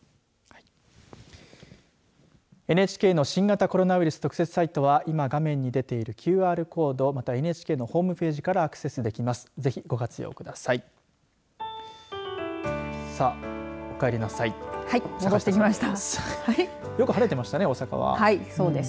ＮＨＫの新型コロナウイルス特設サイトは今、画面に出ているＱＲコードまたはＮＨＫのホームページからアクセスできます。